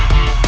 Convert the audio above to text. masuk ke dalam